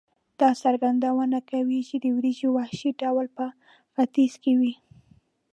دا څرګندونه کوي چې د وریجو وحشي ډول په ختیځ کې وې.